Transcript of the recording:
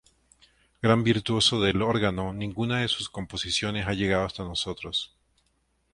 Gran virtuoso del órgano, ninguna de sus composiciones ha llegado hasta nosotros.